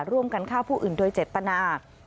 ร่วมกันฆ่าผู้อื่นโดยเจตนา